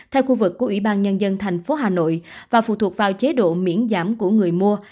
theo khu vực của ủy ban nhân dân thành phố hà nội và phụ thuộc vào chế độ miễn giảm của người mua